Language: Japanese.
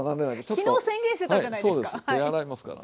昨日宣言してたじゃないですか。